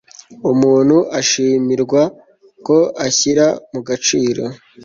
umuntu ashimirwa ko ashyira mu gaciro